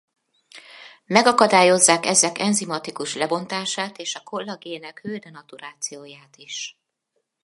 Megakadályozzák ezek enzimatikus lebontását és a kollagének hő-denaturatióját is.